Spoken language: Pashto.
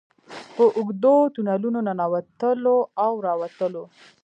په اوږدو تونلونو ننوتلو او راوتلو.